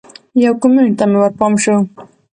یو کمنټ ته مې ورپام شو